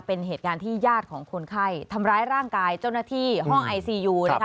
เป็นเหตุการณ์ที่ญาติของคนไข้ทำร้ายร่างกายเจ้าหน้าที่ห้องไอซียูนะคะ